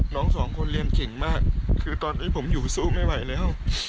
น้องสองคนเรียนเก่งมากคือตอนนี้ผมอยู่สู้ไม่ไหวแล้ว